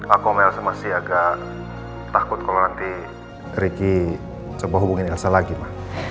aku sama elsa masih agak takut kalau nanti ricky coba hubungin elsa lagi ma